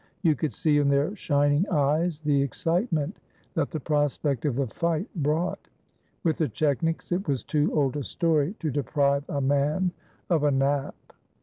You could see in their shining eyes the excitement that the prospect of the fight brought. With the chetniks it was too old a story to deprive a man of a nap.